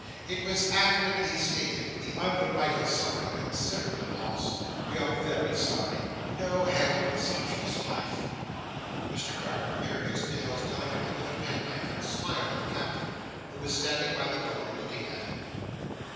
It was accurately stated. The underwriters suffer a considerable loss. We are very sorry. No help! Such is life!" Mr Carker pared his nails delicately with a penknife, and smiled at the Captain, who was standing by the door looking at him.